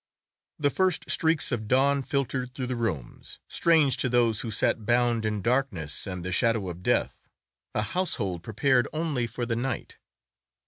The first streaks of dawn filtered through the rooms, strange to those who sat bound in darkness and the shadow of death, a household prepared only for the night.